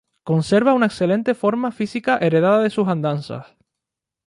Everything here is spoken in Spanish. Conserva una excelente forma física heredada de sus andanzas.